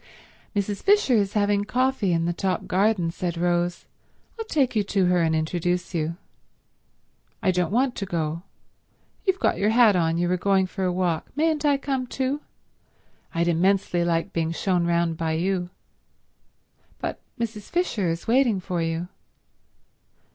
"Mrs. Fisher is having coffee in the top garden," said Rose. "I'll take you to her and introduce you." "I don't want to go. You've got your hat on, so you were going for a walk. Mayn't I come too? I'd immensely like being shown round by you." "But Mrs. Fisher is waiting for you."